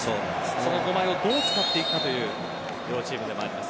その５枚をどう使っていくかという両チームでもあります。